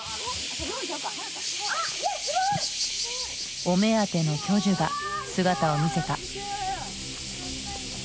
すごい！お目当ての巨樹が姿を見せた。